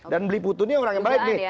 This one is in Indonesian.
dan bliputu ini orang yang baik nih